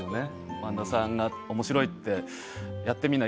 萬田さんが、おもしろいやってみない？